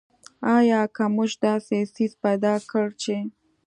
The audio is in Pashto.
آیا که موږ داسې څیز پیدا کړ چې.